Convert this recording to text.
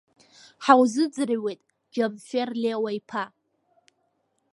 Ҳаузыӡырҩуеит Џьамфер Леуа-иԥа!